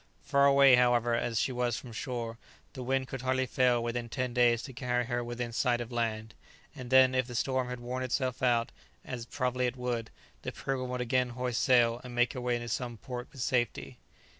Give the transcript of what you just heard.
Far away, however, as she was from shore, the wind could hardly fail within ten days to carry her within sight of land; and then, if the storm had worn itself out, (as probably it would,) the "Pilgrim" would again hoist sail, and make her way into some port with safety.